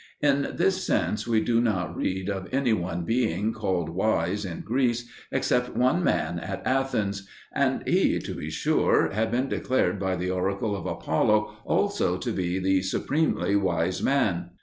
In this sense we do not read of any one being called wise in Greece except one man at Athens; and he, to be sure, had been declared by the oracle of Apollo also to be "the supremely wise man."